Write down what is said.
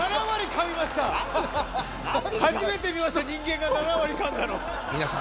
初めて見ました人間が７割噛んだの皆さん